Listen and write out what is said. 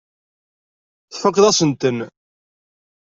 Tfakkeḍ-as-ten.